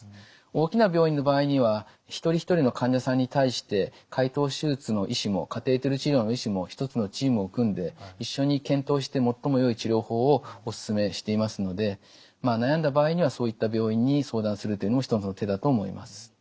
大きな病院の場合には一人一人の患者さんに対して開頭手術の医師もカテーテル治療の医師も一つのチームを組んで一緒に検討して最もよい治療法をおすすめしていますので悩んだ場合にはそういった病院に相談するというのも一つの手だと思います。